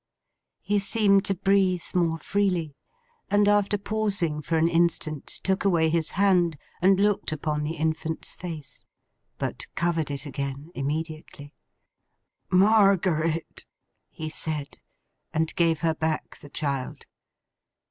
He seemed to breathe more freely; and after pausing for an instant, took away his hand, and looked upon the infant's face. But covered it again, immediately. 'Margaret!' he said; and gave her back the child.